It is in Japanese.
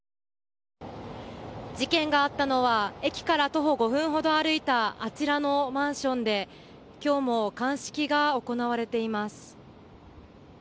事件があったのは駅から徒歩５分ほど歩いたあちらのマンションで今日も鑑識が行われています。